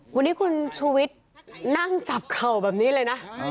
วันนี้คุณชูวิทย์นั่งจับเข่าแบบนี้เลยนะ